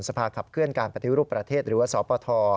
สภาขับเคลื่อนการปฏิรูปประเทศหรือว่าสปท